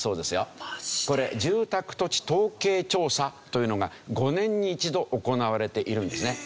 これ住宅・土地統計調査というのが５年に１度行われているんですね。